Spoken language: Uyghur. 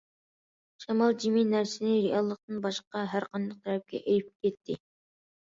شامال جىمى نەرسىنى رېئاللىقتىن باشقا ھەر قانداق تەرەپكە ئېلىپ كەتتى.